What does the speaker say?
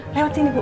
lewat sini bu